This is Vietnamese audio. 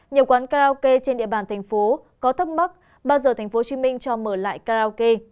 nhiều quán karaoke trên địa bàn tp hcm có thắc mắc bao giờ tp hcm cho mở lại karaoke